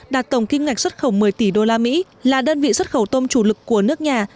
đạt tổng kim ngạch xuất khẩu một mươi tỷ đô la mỹ là đơn vị xuất khẩu tôm chủ lực của nước nhà